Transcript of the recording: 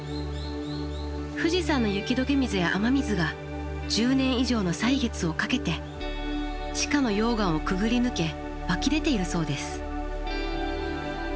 富士山の雪どけ水や雨水が１０年以上の歳月をかけて地下の溶岩をくぐり抜け湧き出ているそうです。